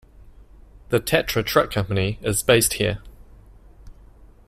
The Tatra truck company is based here.